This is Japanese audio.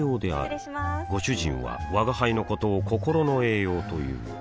失礼しまーすご主人は吾輩のことを心の栄養という